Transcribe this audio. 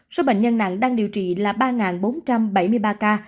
số bệnh nhân nặng đang điều trị là ba bốn trăm bảy mươi ba ca